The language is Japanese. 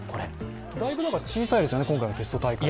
だいぶ小さいですよね、今回のテスト大会。